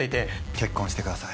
結婚してください。